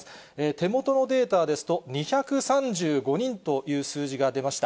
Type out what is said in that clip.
手元のデータですと、２３５人という数字が出ました。